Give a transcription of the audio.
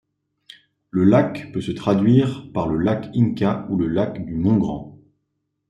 Le lac peut se traduire par le lac Inca ou le lac du mont-grand.